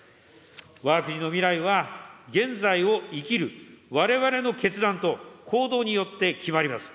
わが国の未来は現在を生きる、われわれの決断と行動によって決まります。